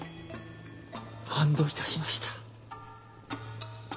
安堵いたしました。